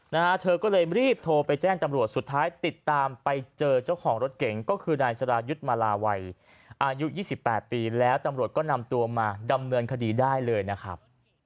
นะฮะเธอก็เลยรีบโทรไปแจ้งตำรวจสุดท้ายติดตามไปเจอเจ้าของรถเก๋งก็คือนายสรายุทธ์มาลาวัยอายุยี่สิบแปดปีแล้วตำรวจก็นำตัวมาดำเนินคดีได้เลยนะครับ